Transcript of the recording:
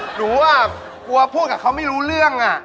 หนูกลัวพูดกับเขาไม่รู้เรื่อง